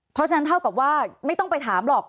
เพราะฉะนั้นเท่ากับว่าไม่ต้องไปถามหรอก